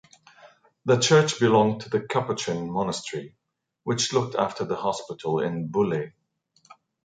The church belonged to the Capuchin monastery, which looked after the hospital in Bulle.